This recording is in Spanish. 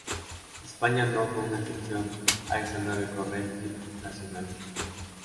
España no fue una excepción a esa nueva corriente nacionalista.